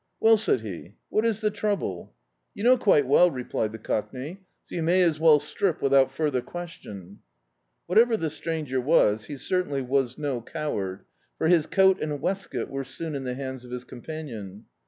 "Well," said he, "what is the trouble?" "You know quite well," replied the Cockney, "so you may as well strip wiAout further question." Whatever the stranger was, he certainly was no coward, for his coat and waistcoat were soon in the hands of his ccnnpanion.